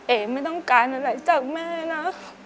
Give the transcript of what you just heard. ไม่ต้องการอะไรจากแม่นะ